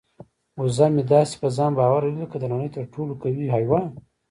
وزه مې داسې په ځان باور لري لکه د نړۍ تر ټولو قوي حیوان.